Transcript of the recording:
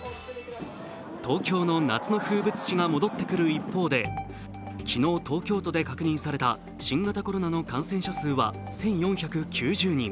東京の夏の風物詩が戻ってくる一方で昨日、東京都で確認された新型コロナの感染者数は１４９０人。